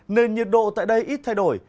nên nhiệt độ tại đây ít thay đổi